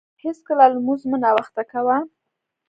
هیڅکله لمونځ مه ناوخته کاوه.